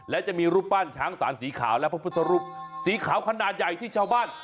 และจะมีรูปปั้นช้างสารสีขาวและพระพุทธรูปสีขาวขนาดใหญ่ที่ชาวบ้าน